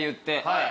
はい。